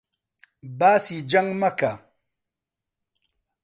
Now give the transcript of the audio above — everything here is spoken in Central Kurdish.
باسی جەنگ مەکە!